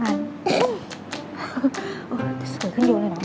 เออสวยขนาดนี้เลยนะ